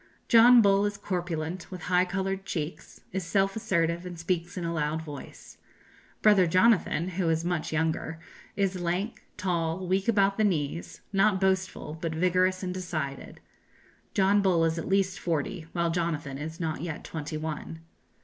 John Bull is corpulent, with high coloured cheeks, is self assertive, and speaks in a loud voice; Brother Jonathan, who is much younger, is lank, tall, weak about the knees, not boastful, but vigorous and decided. John Bull is at least forty, while Jonathan is not yet twenty one.